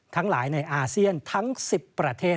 ทั้งหลายในอาเซียนทั้ง๑๐ประเทศ